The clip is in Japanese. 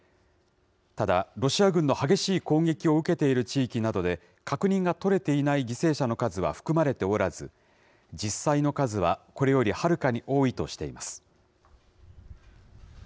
ただ、ロシア軍の激しい攻撃を受けている地域などで、確認が取れていない犠牲者の数は含まれておらず、実際の数はこれよりはるかに多いとしています。